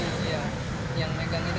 iya yang megang ini kan disuruh